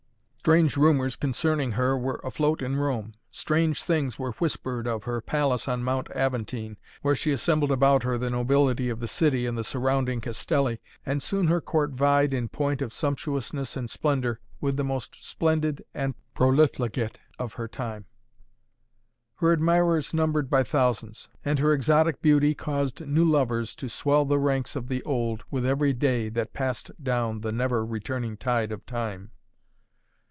Strange rumors concerning her were afloat in Rome. Strange things were whispered of her palace on Mount Aventine, where she assembled about her the nobility of the city and the surrounding castelli, and soon her court vied in point of sumptuousness and splendor with the most splendid and profligate of her time. Her admirers numbered by thousands, and her exotic beauty caused new lovers to swell the ranks of the old with every day that passed down the never returning tide of time.